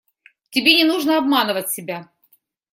Тебе не нужно обманывать себя.